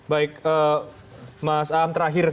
baik mas am terakhir